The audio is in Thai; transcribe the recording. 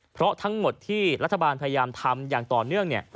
เพราะทั้งหมดที่รัฐบาลพยายามทำอย่างต่อเนื่อง